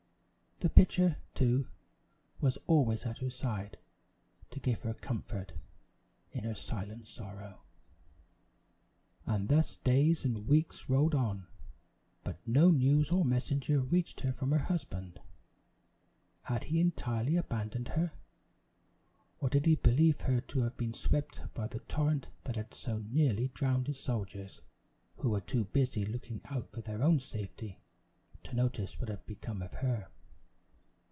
The pitcher, too, was always at her side to give her comfort in her silent sorrow. And thus days and weeks rolled on, but no news or messenger reached her from her husband. Had he entirely abandoned her? Or did he believe her to have been swept by the torrent that had so nearly drowned his soldiers, who were too busy looking out for their own safety to notice what had become of her?